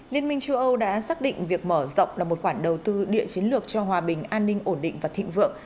liên minh châu âu đã xác định việc mở rộng là một quản đầu tư địa chiến lược cho hòa bình an ninh ổn định và thịnh vượng